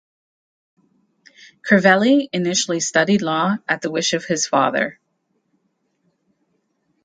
Crivelli initially studied law at the wish of his father.